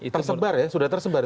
tersebar ya sudah tersebar